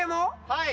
はい。